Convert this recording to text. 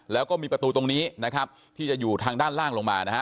แล้วก็มีประตูตรงนี้นะครับที่จะอยู่ทางด้านล่างลงมานะฮะ